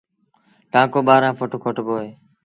ٽآنڪو ٻآهرآن ڦٽ کوٽبو اهي۔